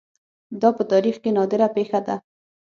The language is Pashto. دا په تاریخ کې نادره پېښه ده